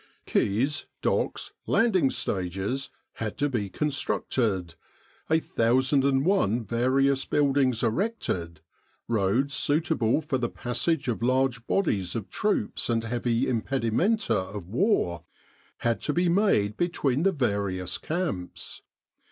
Quays, docks, landing stages had to be constructed, a thousand and one various buildings erected, roads suitable for the passage of large bodies of troops and heavy impedimenta of war, had to be made between the various camps.